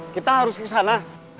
kita harus ke sana